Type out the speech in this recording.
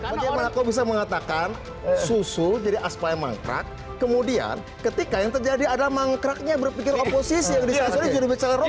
bagaimana kau bisa mengatakan susu jadi aspal yang mangkrak kemudian ketika yang terjadi adalah mangkraknya berpikir oposisi yang disasari jadi bicara rog